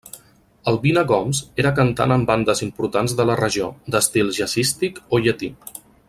Albina Gomes era cantant en bandes importants de la regió, d'estil jazzístic o llatí.